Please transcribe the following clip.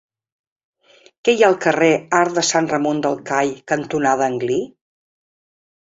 Què hi ha al carrer Arc de Sant Ramon del Call cantonada Anglí?